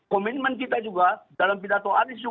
komitmen kita juga dalam pidato anies